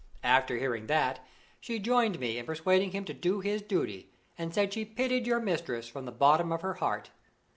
After hearing that, she joined me in persuading him to do his duty, and said she pitied your mistress from the bottom of her heart.